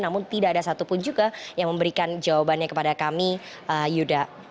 namun tidak ada satupun juga yang memberikan jawabannya kepada kami yuda